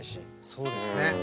そうですね。